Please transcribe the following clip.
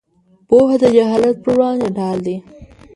پوهه د جهالت پر وړاندې ډال دی.